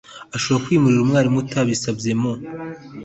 ashobora kwimurira umwarimu utabisabye mu